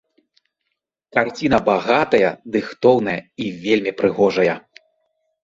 Карціна багатая, дыхтоўная і вельмі прыгожая.